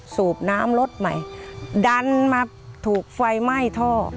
สูบน้ำรถใหม่ดันมาถูกไฟไหม้ท่อ